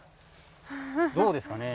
どうですかね？